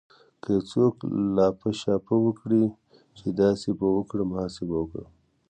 که يو څوک لاپه شاپه وکړي چې داسې به وکړم هسې به وکړم.